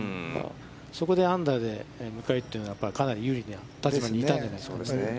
そこでアンダーで迎えるというのはかなり有利な立場にいたんじゃないでしょうか。